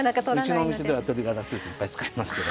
うちのお店では鶏がらスープいっぱい使いますけど。